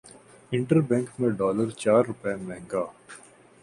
inter bank میں dollar چار روپے مہنگا